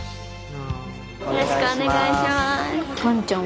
よろしくお願いします。